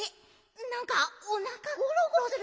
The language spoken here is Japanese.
なんかおなかがゴロゴロする。